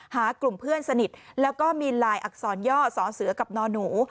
หากลุ่มเพื่อนสนิทแล้วก็มีลายอักษรย่อสอเสือกับนอนหนู